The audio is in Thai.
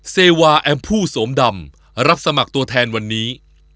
เซวาแอมพู่โสมดำรับสมัครตัวแทนวันนี้